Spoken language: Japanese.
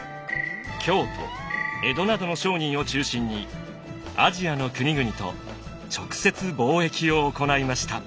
京都江戸などの商人を中心にアジアの国々と直接貿易を行いました。